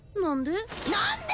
何で？